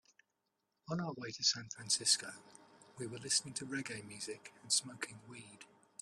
On our way to San Francisco, we were listening to reggae music and smoking weed.